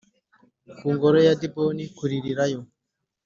ku ngoro ya Diboni kuririrayo.